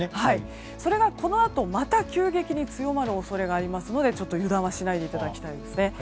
それがこのあと、また急激に強まる恐れがありますので油断はしないでいただきたいですね。